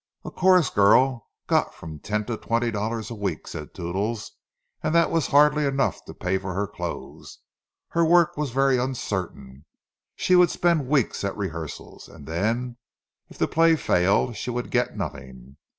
"A chorus girl got from ten to twenty dollars a week," said Toodles; and that was hardly enough to pay for her clothes. Her work was very uncertain—she would spend weeks at rehearsal, and then if the play failed, she would get nothing.